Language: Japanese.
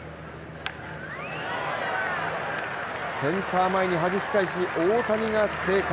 センター前にはじき返し大谷が生還。